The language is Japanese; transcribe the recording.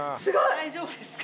大丈夫ですか？